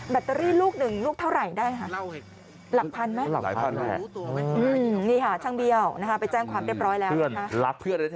ตเตอรี่ลูกหนึ่งลูกเท่าไหร่ได้ค่ะ